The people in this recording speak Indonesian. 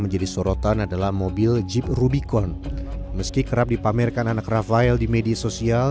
menjadi sorotan adalah mobil jeep rubicon meski kerap dipamerkan anak rafael di media sosial